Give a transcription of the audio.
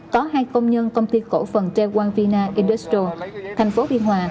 có hai công nhân công ty cổ phần treo quang vina industrial tp biên hòa